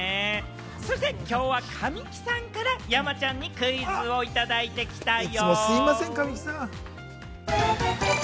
そしてきょうは神木さんから山ちゃんにクイズをいただいてきたよ！